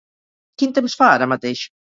Quin temps fa ara mateix?